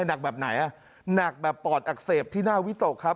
หนักแบบไหนอ่ะหนักแบบปอดอักเสบที่หน้าวิตกครับ